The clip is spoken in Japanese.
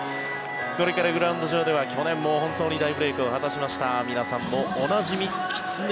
これからグラウンド上では去年も本当に大ブレークを果たしました皆さんもおなじみきつね